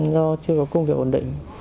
do chưa có công việc ổn định